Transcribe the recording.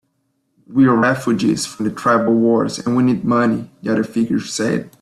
"We're refugees from the tribal wars, and we need money," the other figure said.